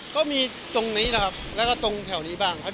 ก็มีตรงนี้นะครับแล้วก็ตรงแถวนี้บ้างครับ